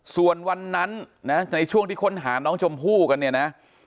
ส่วนวันนั้นนะในช่วงที่ค้นหาน้องชมพู่กันเนี่ยนะ